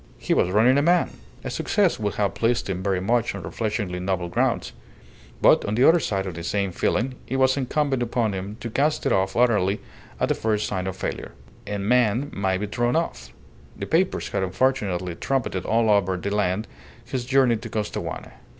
He was running a man! A success would have pleased him very much on refreshingly novel grounds; but, on the other side of the same feeling, it was incumbent upon him to cast it off utterly at the first sign of failure. A man may be thrown off. The papers had unfortunately trumpeted all over the land his journey to Costaguana.